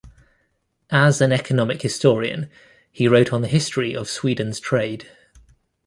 As an economic historian, he wrote on the history of Sweden's trade.